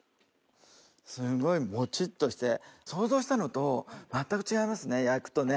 すごいもちっとして想像したのと全く違います焼くとね。